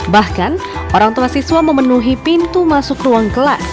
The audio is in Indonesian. bahkan orang tua siswa memenuhi pintu masuk ruang kelas